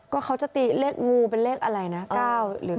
ก็เขาจะตีเลขงูเป็นเลขอะไรนะ๙หรือ๘หรือ๗